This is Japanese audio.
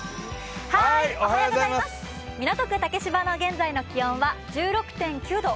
港区竹芝の現在の気温は１６．９度。